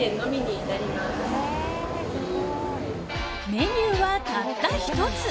メニューは、たった１つ。